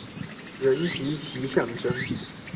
人及其象徵